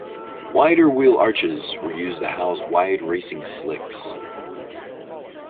Wider wheel arches were used to house wide racing slicks.